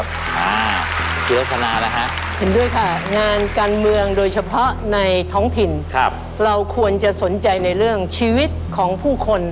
การเมืองโดยเฉพาะในท้องถิ่นครับเราควรจะสนใจในเรื่องชีวิตของผู้คน